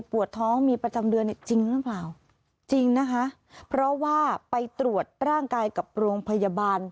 ปวดท้องมีประจำเดือนเนี่ยจริงหรือเปล่าจริงนะคะเพราะว่าไปตรวจร่างกายกับโรงพยาบาล